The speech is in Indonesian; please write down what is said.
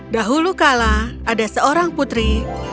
dahulu kala ada seorang putri